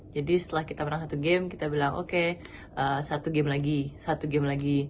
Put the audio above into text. jadi setelah kita menang satu game kita bilang oke satu game lagi satu game lagi